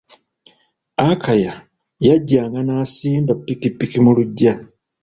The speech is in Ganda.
Akaya yajjanga n'asimba pikipiki mu lugya..